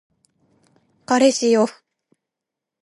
彼氏よ